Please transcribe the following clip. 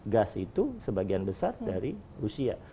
gas itu sebagian besar dari rusia